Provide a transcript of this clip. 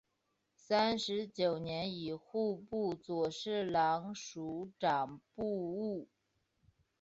三十九年以户部左侍郎署掌部务。